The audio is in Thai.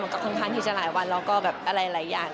มันก็ค่อนข้างที่จะหลายวันแล้วก็อะไรอย่าง